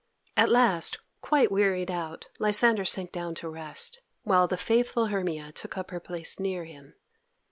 At last, quite wearied out, Lysander sank down to rest, while the faithful Hermia took up her place near him.